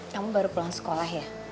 kamu baru pulang sekolah ya